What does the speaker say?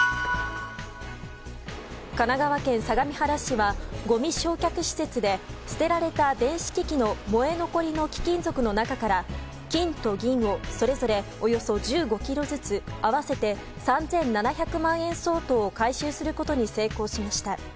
神奈川県相模原市はごみ焼却施設で捨てられた電子機器の燃え残りの貴金属の中から金と銀をそれぞれおよそ１５ｋｇずつ合わせて３７００万円相当を回収することに成功しました。